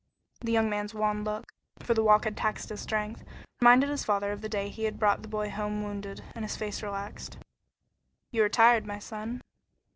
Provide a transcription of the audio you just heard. The young man's wan look, for the walk had taxed his strength, reminded his father of the day he had brought the boy home wounded, and his face relaxed. "You are tired, my son."